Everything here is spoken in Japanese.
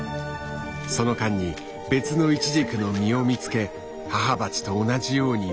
その間に別のイチジクの実を見つけ母バチと同じように潜り込む。